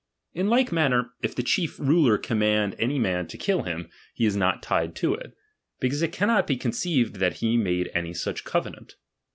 In like manner, if the chief ruler command any man to kill him, he is not tied to do it ; because it cannot be conceived that he made any such covenant.